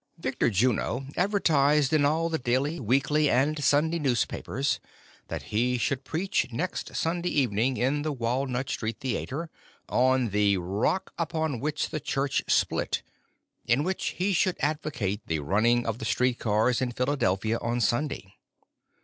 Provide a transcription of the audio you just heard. Victor Juno advertised in all the daily, Aveekly and Sun day newspapers that lie should preach next Sunday even ing in the Walnut Street Theatre, on the ''■Rock tipon xoMch ' The CliuTcli ' Sjylil,'''' in which he should advocate the run ning of the street cars in Philadelphia on Sunday.